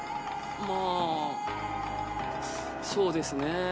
まあそうですね